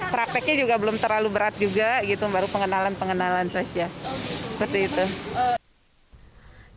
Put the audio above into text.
prakteknya juga belum terlalu berat juga baru pengenalan pengenalan saja